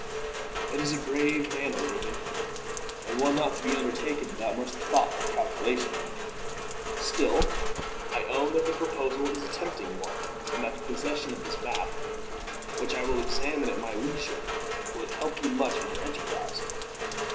"It is a grave matter, Reuben, and one not to be undertaken without much thought and calculation. Still, I own that the proposal is a tempting one, and that the possession of this map, which I will examine at my leisure, would help you much in your enterprise.